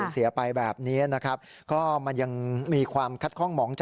สมาทน